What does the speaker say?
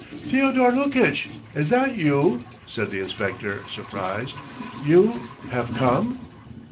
"Fyodor Lukitch, is that you?" said the inspector, surprised. "You ... have come?"